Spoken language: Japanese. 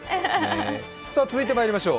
続いてまいりましょう。